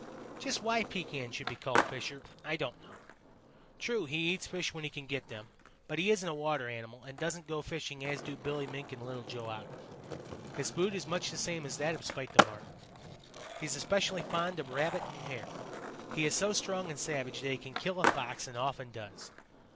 "Just why Pekan should be called Fisher, I don't know. True, he eats fish when he can get them, but he isn't a water animal and doesn't go fishing as do Billy Mink and Little Joe Otter. His food is much the same as that of Spite the Marten. He is especially fond of Rabbit and Hare. He is so strong and savage that he can kill a Fox and often does.